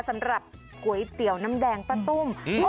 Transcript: สำหรับก๋วยเตี๋ยวน้ำแดงป้าตุ้ม